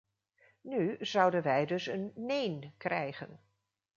Nu zouden wij dus een "neen" krijgen.